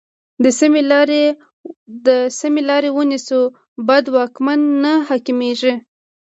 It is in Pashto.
که سمې لارې ونیسو، بد واکمن نه حاکمېږي.